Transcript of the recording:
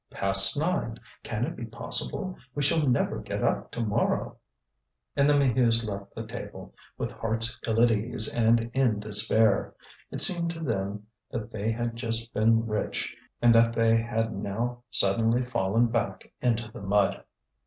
"Past nine! Can it be possible? We shall never get up to morrow." And the Maheus left the table with hearts ill at ease and in despair. It seemed to them that they had just been rich and that they had now suddenly fallen back into the mud.